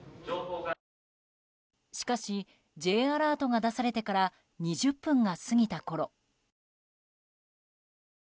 しかしＪアラートが出されてから２０分が過ぎたころ。